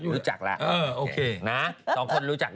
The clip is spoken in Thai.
รู้จักสิเขารู้จักอยู่